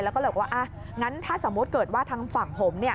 แล้วก็เล็กว่าถ้าสมมติเกิดว่าทางฝั่งผม